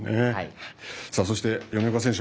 そして、米岡選手。